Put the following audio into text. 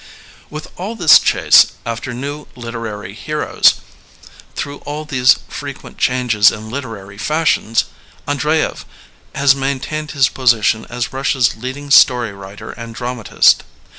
With all this chase after new literary heroes, through all these frequent changes in literary fash ions, Andreyev has maintained his position as Rus sia's leading story writer and dramatist.